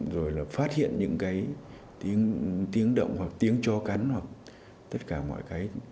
rồi là phát hiện những cái tiếng động hoặc tiếng cho cắn hoặc tất cả mọi cái